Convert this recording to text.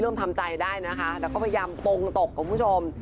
เริ่มทำใจได้นะคะแล้วก็พยายามตรงตกครับผู้ชม